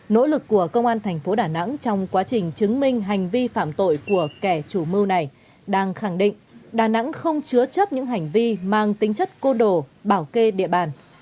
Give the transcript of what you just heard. nỗ lực của công an thành phố đà nẵng trong quá trình chứng minh hành vi phạm tội của kẻ chủ mưu này đang khẳng định đà nẵng không chứa chấp những hành vi mang tính chất côn đồ bảo kê địa bàn